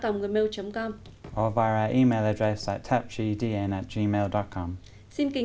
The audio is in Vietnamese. trong giải thích của chúng tôi hãy chia sẻ thông báo của văn phòng i dân trên facebook vàife